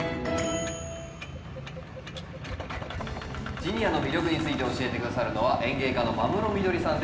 ジニアの魅力について教えて下さるのは園芸家の間室みどりさんです。